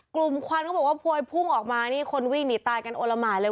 ควันเขาบอกว่าพวยพุ่งออกมานี่คนวิ่งหนีตายกันโอละหมาเลย